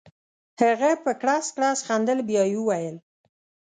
هغه په کړس کړس خندل بیا یې وویل.